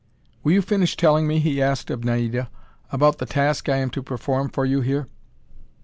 "Will you finish telling me," he asked of Naida, "about the task I am to perform for you here?"